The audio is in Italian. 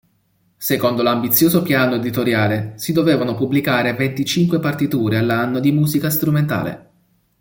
Secondo l’ambizioso piano editoriale, si dovevano pubblicare venticinque partiture all'anno di musica strumentale.